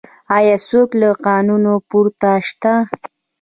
آیا څوک له قانون پورته شته؟